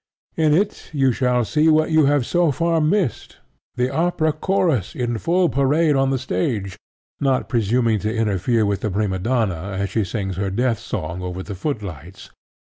In it you shall see what you have so far missed, the opera chorus in full parade on the stage, not presuming to interfere with the prima donna as she sings her death song over the footlights.